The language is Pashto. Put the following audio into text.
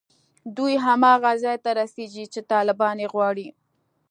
دوی هماغه ځای ته رسېږي چې طالبان یې غواړي